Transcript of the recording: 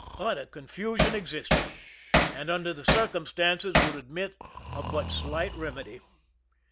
Utter confusion existed, and under the circumstances would admit of but slight remedy.